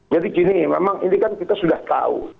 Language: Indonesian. jadi gini memang ini kan kita sudah tahu